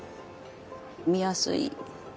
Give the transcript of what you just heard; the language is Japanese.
見やすい。